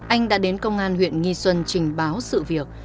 anh đã đến công an huyện nghi xuân trình báo sự việc